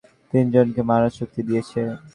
তিনজনকে মারার চুক্তি দিয়েছে।